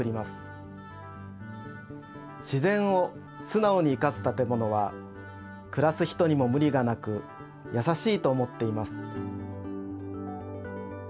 しぜんをすなおに生かす建物はくらす人にもむりがなくやさしいと思っています。